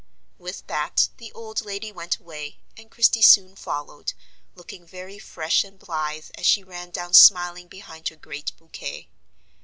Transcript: With that the old lady went away, and Christie soon followed, looking very fresh and blithe as she ran down smiling behind her great bouquet.